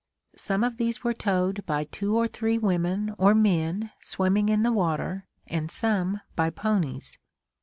Some of these were towed by two or three women or men swimming in the water and some by ponies.